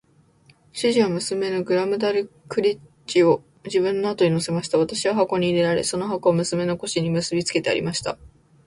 主人は娘のグラムダルクリッチを自分の後に乗せました。私は箱に入れられ、その箱は娘の腰に結びつけてありました。